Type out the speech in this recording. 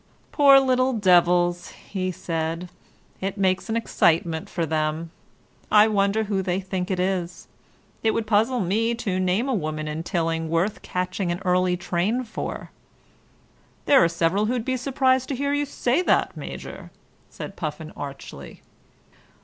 "Poor little devils," he said. "It makes an excitement for them. I wonder who they think it is. It would puzzle me to name a woman in Tilling worth catching an early train for." "There are several who'd be surprised to hear you say that, Major," said Puffin archly.